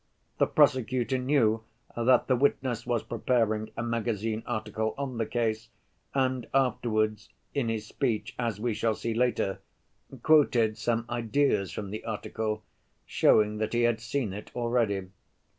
The prosecutor knew that the witness was preparing a magazine article on the case, and afterwards in his speech, as we shall see later, quoted some ideas from the article, showing that he had seen it already.